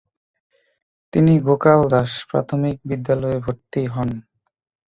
তিনি গোকাল দাস প্রাথমিক বিদ্যালয়ে ভর্তি হন।